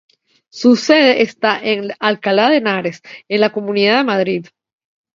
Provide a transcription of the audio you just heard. Su sede está en Alcalá de Henares, en la Comunidad de Madrid.